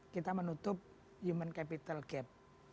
kita menutup human capital gap